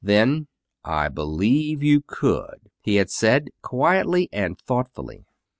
Then, "I believe you could," he had said, quietly and thoughtfully.